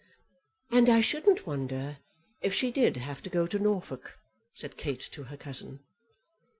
"And I shouldn't wonder if she did have to go to Norfolk," said Kate to her cousin.